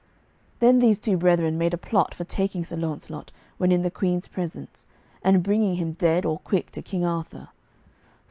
Then these two brethren made a plot for taking Sir Launcelot when in the Queen's presence, and bringing him dead or quick to King Arthur.